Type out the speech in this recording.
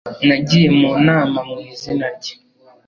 Nagiye mu nama mu izina rye.